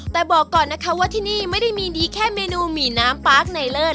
แต่บอกก่อนนะคะว่าที่นี่ไม่ได้มีดีแค่เมนูหมี่น้ำปาร์คในเลิศ